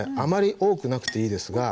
多くなくていいんですか？